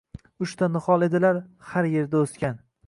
Uchta nihol edilar har yerda o‘sgan